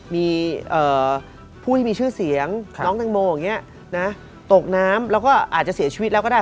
มีผู้ที่มีชื่อเสียงน้องตังโมอย่างนี้นะตกน้ำแล้วก็อาจจะเสียชีวิตแล้วก็ได้